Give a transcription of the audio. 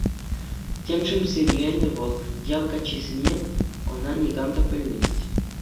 Темшӗн сивленӗ вӑл ял каччисене, ӑна никам та пӗлмест.